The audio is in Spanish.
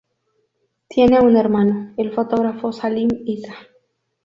Tiene un hermano, el fotógrafo Salim Issa.